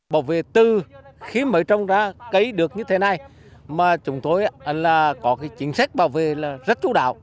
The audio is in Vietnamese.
bảo vệ từ khi mới trồng ra cây được như thế này mà chúng tôi là có cái chính sách bảo vệ là rất chú đạo